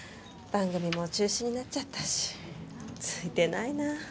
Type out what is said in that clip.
番組も中止になっちゃったしついてないな。